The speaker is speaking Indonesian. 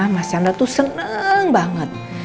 mas chandra tuh seneng banget